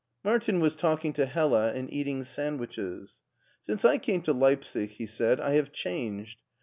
Martin was talking to Hella and eating sandwiches. " Since I came to Leipsic," he said, " I have changed.